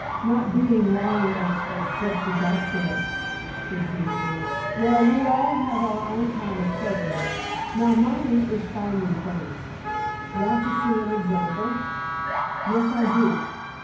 "Not being lying experts, just as I said," Fibsy observed. "Well, we all have our own kind of cleverness. Now, mine is finding things. Want to see an example?" "Yes, I do."